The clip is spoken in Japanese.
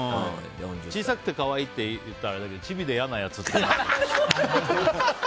小さくて可愛いって言ったらあれだけど、チビ嫌なやつ。